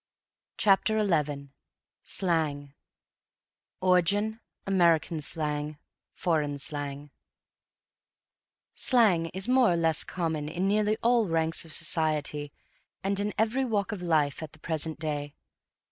CHAPTER XI SLANG Origin American Slang Foreign Slang Slang is more or less common in nearly all ranks of society and in every walk of life at the present day.